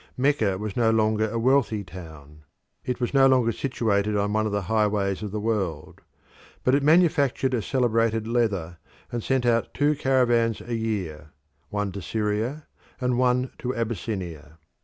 Mecca was no longer a wealthy town; it was no longer situated on one of the highways of the world; but it manufactured a celebrated leather, and sent out two caravans a year one to Syria and one to Abyssinia.